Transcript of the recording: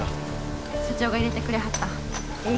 社長が入れてくれはったええ